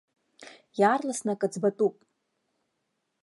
Иаарласны акы ӡбатәуп.